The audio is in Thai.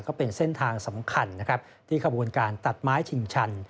ก็เป็นเส้นทางสำคัญนะครับที่ขบวนการตัดไม้ชิงชัน